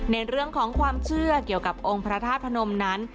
ในเรื่องของความเชื่อเกี่ยวกับองค์พระธาตุพนมนั้น